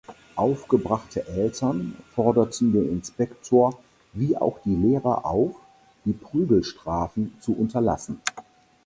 Aufgebrachte Eltern forderten den Inspektor wie auch die Lehrer auf, die Prügelstrafen zu unterlassen.